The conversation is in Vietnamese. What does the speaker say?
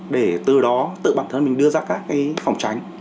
để từ đó tự bản thân mình đưa ra các cái phòng tránh